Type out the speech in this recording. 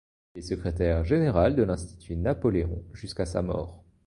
Il est secrétaire général de l'Institut Napoléon jusqu'à sa mort.